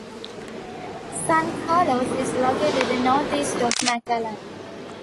San Carlos is located northeast of McAllen.